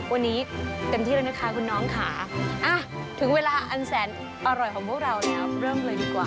วันนี้เต็มที่แล้วนะคะคุณน้องค่ะถึงเวลาอันแสนอร่อยของพวกเราแล้วเริ่มเลยดีกว่า